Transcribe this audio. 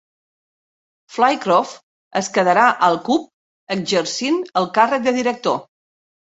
Flitcroft es quedarà al cub exercint el càrrec de director.